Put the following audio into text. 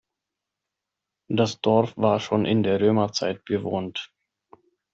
Das Dorf war schon in der Römerzeit bewohnt.